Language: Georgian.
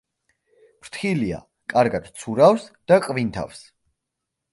ფრთხილია; კარგად ცურავს და ყვინთავს.